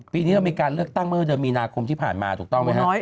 ปีนี้เรามีการเลือกตั้งเมื่อเดือนมีนาคมที่ผ่านมาถูกต้องไหมครับ